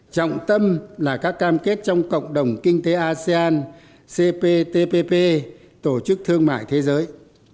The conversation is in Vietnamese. trọng tâm là các cam kết trong cộng đồng kinh tế asean cptpp tổ chức thương mại thế giới